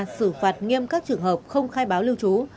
xử phạt nghiêm các trường hợp không khai báo lưu trú